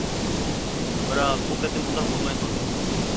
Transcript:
بىراق بۇ قېتىم ئۇنداق بولماي قالدى.